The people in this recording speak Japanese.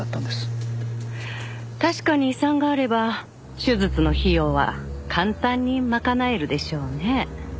確かに遺産があれば手術の費用は簡単に賄えるでしょうね。